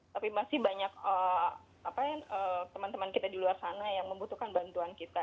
tapi masih banyak teman teman kita di luar sana yang membutuhkan bantuan kita